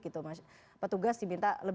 itu yang pertama